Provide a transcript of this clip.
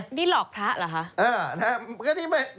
ก็นี่ก็คือพระเขาก็ตั้งใจจะไปซื้อ